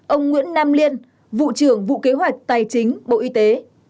ông nguyễn nam liên vụ trưởng vụ kế hoạch tài chính bộ y tế